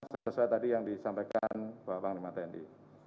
sesuai tadi yang disampaikan bapak panglima tni